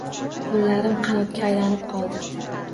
Qo’llarim qanotga aylanib qoldi.